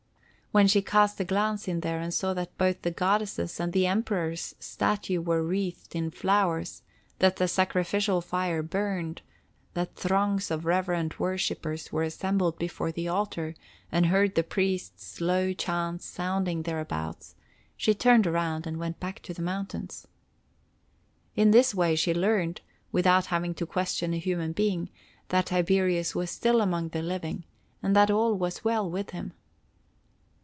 When she cast a glance in there and saw that both the goddess' and the Emperor's statue were wreathed in flowers; that the sacrificial fire burned; that throngs of reverent worshipers were assembled before the altar, and heard the priests' low chants sounding thereabouts, she turned around and went back to the mountains. In this way she learned, without having to question a human being, that Tiberius was still among the living, and that all was well with him.